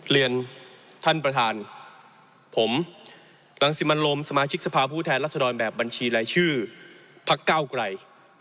เรียนท่านประธานผมรังสิมันลมสมาชิกสภาพผู้แทนรัศดรแบบบัญชีรายชื่อพักเก้าไกล